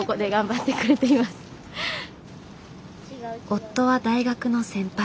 夫は大学の先輩。